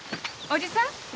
おじさん